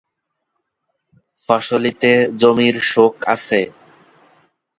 ফসলিতে জমির সোক আছে।